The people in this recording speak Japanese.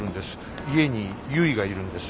家にゆいがいるんです。